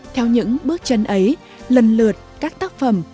theo những bước chân ấy lần lượt các tác phẩm